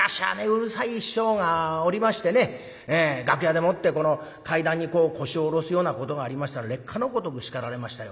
うるさい師匠がおりましてね楽屋でもってこの階段にこう腰を下ろすようなことがありましたら烈火のごとく叱られましたよ。